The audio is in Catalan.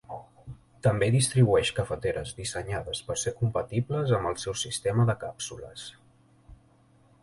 També distribueix cafeteres dissenyades per ser compatibles amb el seu sistema de càpsules.